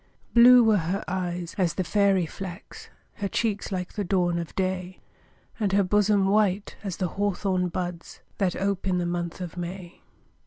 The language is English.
Blue were her eyes as the fairy flax, Her cheeks like the dawn of day, And her bosom white as the hawthorn buds, That ope in the month of May.